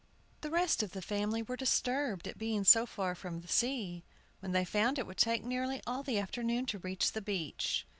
The rest of the family were disturbed at being so far from the sea, when they found it would take nearly all the afternoon to reach the beach.